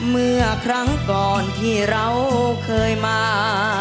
เมื่อครั้งก่อนที่เราเคยมา